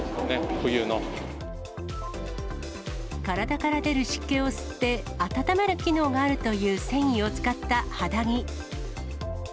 体から出る湿気を吸って、暖める機能があるという繊維を使った肌着。